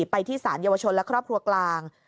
ไปที่สารเยาวชนและครอบครัวกลาง